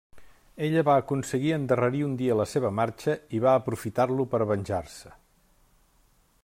Ella va aconseguir endarrerir un dia la seva marxa i va aprofitar-lo per a venjar-se.